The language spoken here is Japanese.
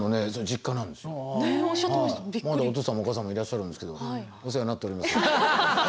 まだお父さんもお母さんもいらっしゃるんですけどお世話になっております。